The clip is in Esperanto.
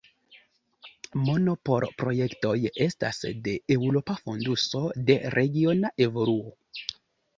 Mono por projektoj estas de Eŭropa fonduso de regiona evoluo.